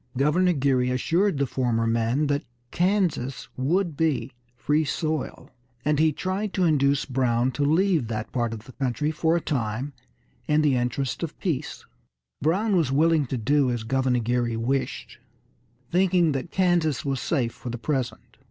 Governor Geary assured the former men that Kansas would be free soil, and he tried to induce Brown to leave that part of the country for a time in the interest of peace. Brown was willing to do as Governor Geary wished, thinking that Kansas was safe for the present.